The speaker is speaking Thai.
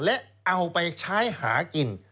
และเอาไปใช้หากิน